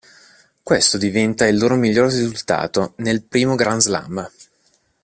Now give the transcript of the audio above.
Questo diventa il loro miglior risultato nel primo Grand Slam.